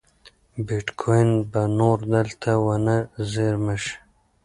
بېټکوین به نور دلته ونه زېرمه شي.